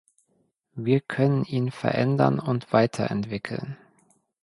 Wir können ihn verändern und weiterentwickeln.